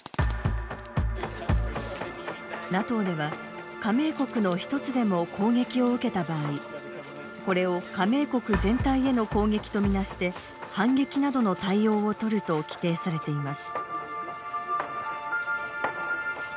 ＮＡＴＯでは加盟国の１つでも攻撃を受けた場合これを加盟国全体への攻撃とみなして反撃などの対応をとると規定されています。